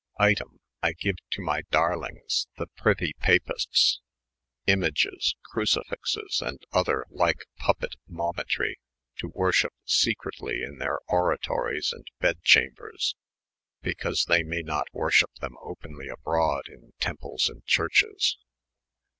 Item, I geue to my Dearlyng^, the priney papistes, ym^es, Cmci^fizea, and other lyke puppet maumettry, to worship secretly in their Oratories and bed Chaumbres, bicause they may not worship them openly abrode in Temples & churches.